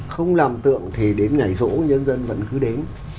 không làm tượng thì đến ngày rỗ nhân dân vẫn cứ đến